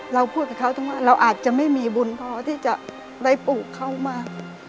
เราพูดกับเขาถึงว่าเราอาจจะไม่มีบุญพอที่จะได้ปลูกเขามา